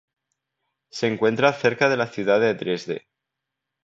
Se encuentra cerca de la ciudad de Dresde.